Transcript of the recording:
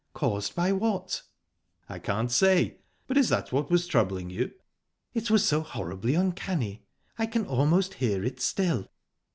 "Caused by what?" "I can't say. But is that what was troubling you?" "It was so horribly uncanny. I can almost hear it still."